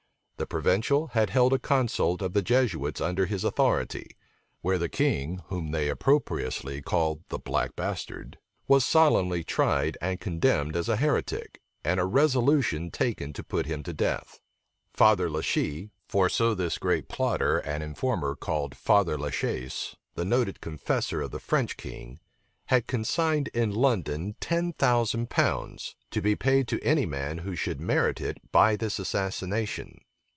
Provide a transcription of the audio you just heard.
The provincial had held a consult of the Jesuits under his authority; where the king, whom they opprobriously called the Black Bastard, was solemnly tried and condemned as a heretic, and a resolution taken to put him to death. Father Le Shee (for so this great plotter and informer called Father La Chaise, the noted confessor of the French king) had consigned in London ten thousand pounds, to be paid to any man who should merit it by this assassination.